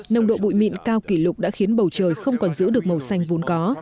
nồng độ bụi mịn cao kỷ lục đã khiến bầu trời không còn giữ được màu xanh vốn có